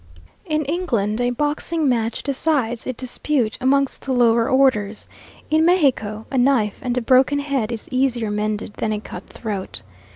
In England, a boxing match decides a dispute amongst the lower orders; in Mexico, a knife; and a broken head is easier mended than a cut throat.